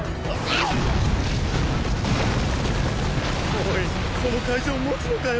おいこの会場もつのかよ。